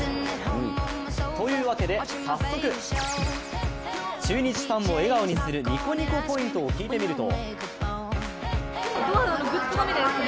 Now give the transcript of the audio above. というわけで早速、中日ファンを笑顔にするニコニコポイントを聞いてみると？